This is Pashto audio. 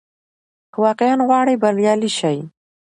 که واقعاً غواړې بریالی سې،